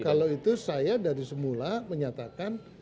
kalau itu saya dari semula menyatakan